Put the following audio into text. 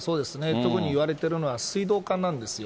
特にいわれているのは水道管なんですよ。